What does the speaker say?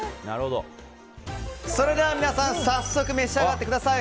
それでは皆さん早速召し上がってください。